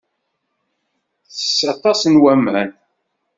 Tess aṭas n waman.